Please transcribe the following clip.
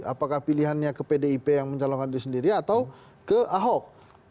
apakah pilihannya ke pdip yang mencalonkan diri sendiri atau ke ahok